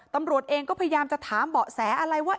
ตำรวจเองก็พยายามจะถามเบาะแสอะไรว่า